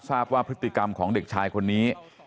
ทราบว่าพฤติกรรมของเด็กชายคนนี้